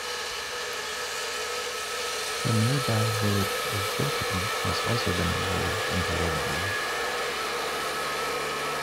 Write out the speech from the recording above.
The nearby village of Bilton has also been absorbed into Rugby.